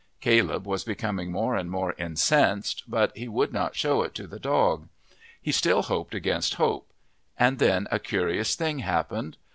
Caleb was becoming more and more incensed, but he would not show it to the dog; he still hoped against hope; and then a curious thing happened.